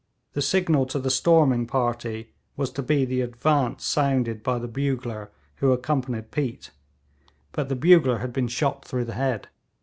The signal to the storming party was to be the 'advance' sounded by the bugler who accompanied Peat. But the bugler had been shot through the head.